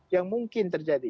yang mungkin terjadi